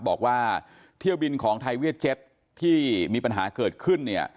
บอกว่าเที่ยวบินของไทยเวียดเจ็ตที่มีปัญหาเกิดขึ้นเนี่ย